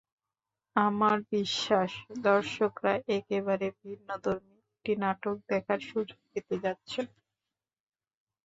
আমার বিশ্বাস, দর্শকরা একেবারে ভিন্নধর্মী একটি নাটক দেখার সুযোগ পেতে যাচ্ছেন।